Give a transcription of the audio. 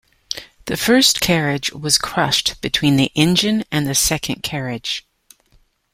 The first carriage was crushed between the engine and the second carriage.